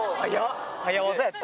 早わざやった。